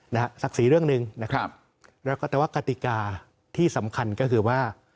ศักดิ์ศรีเรื่องหนึ่งนะครับแล้วก็แต่ว่ากติกาที่สำคัญก็คือว่า